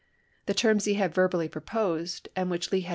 The terms he had verbally proposed, and which Lee had Chap.